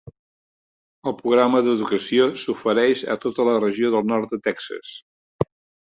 El programa d"educació s"ofereix a tota la regió del Nord de Texas.